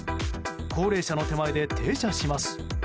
高齢者の手前で停車します。